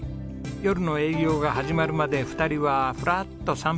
夜の営業が始まるまで２人はふらっと散歩に出ました。